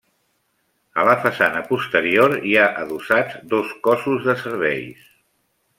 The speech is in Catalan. A la façana posterior hi ha adossats dos cossos de serveis.